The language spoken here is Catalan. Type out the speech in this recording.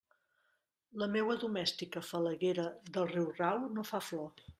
La meua domèstica falaguera del riurau no fa flor.